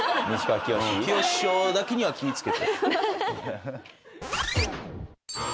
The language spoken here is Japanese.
きよし師匠だけには気い付けて。